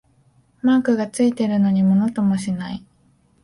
マークがついてるのにものともしない